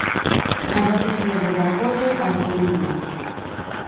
A base serve de apoio á columna.